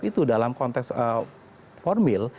itu dalam konteks formil